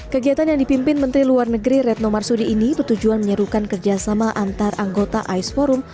kegiatan yang dipimpin menteri luar negeri retno marsudi ini bertujuan menyerukan kerjasama antar anggota ais forum